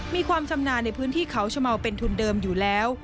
มีความชำนาญในพื้นที่เขาชะเมาเป็นทุนเดิมอยู่แล้ว